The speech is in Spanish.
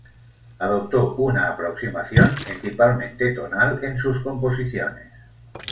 Adoptó una aproximación principalmente tonal en sus composiciones.